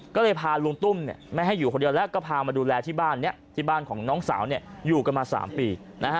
ก็เลยพาลุงตุ้มไม่ให้อยู่คนเดียวแล้วก็พามาดูแลที่บ้านนี้ที่บ้านของน้องสาวอยู่กันมา๓ปี